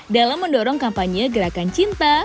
dalam mendorong kampanye gerakan cinta